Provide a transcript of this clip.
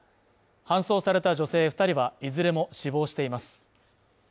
搬送された女性２人は、いずれも死亡しています。